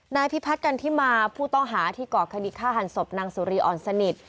นายพิพัฒน์กันที่มาผู้ต้องหาที่ก่อคดีฆ่าหันศพนางสุรีอ่อนสนิท